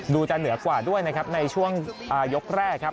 จะเหนือกว่าด้วยนะครับในช่วงยกแรกครับ